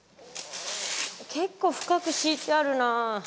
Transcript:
結構深く敷いてあるなあ。